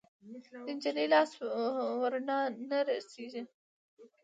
د نجلۍ لاس ورڼا نه رسیږي